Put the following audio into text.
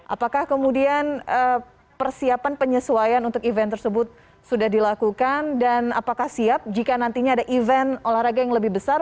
apakah kemudian persiapan penyesuaian untuk event tersebut sudah dilakukan dan apakah siap jika nantinya ada event olahraga yang lebih besar